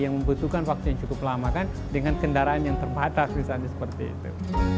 yang membutuhkan waktu yang cukup lama kan dengan kendaraan yang terbatas misalnya seperti itu